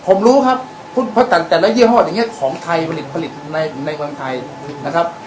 ผมรู้ครับเพราะแต่แต่ละเยี่ยมฮอตอย่างเงี้ยของไทยผลิตผลิตในในเมืองไทยนะครับ